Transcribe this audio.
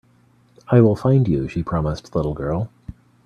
"I will find you.", she promised the little girl.